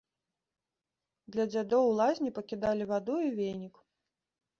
Для дзядоў у лазні пакідалі ваду і венік.